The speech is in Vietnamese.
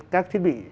các thiết bị